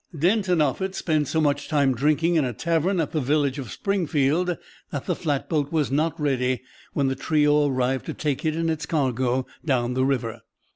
Denton Offutt spent so much time drinking in a tavern at the village of Springfield that the flatboat was not ready when the trio arrived to take it and its cargo down the river.